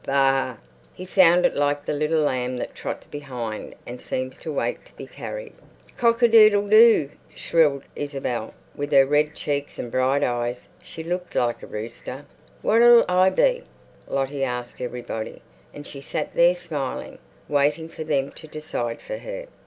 Baa!" He sounded like the little lamb that trots behind and seems to wait to be carried. "Cock a doodle do!" shrilled Isabel. With her red cheeks and bright eyes she looked like a rooster. "What'll I be?" Lottie asked everybody, and she sat there smiling, waiting for them to decide for her.